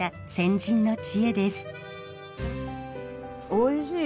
おいしい。